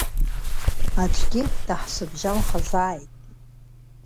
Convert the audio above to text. Аӡәгьы даҳцәыбжьамхазааит.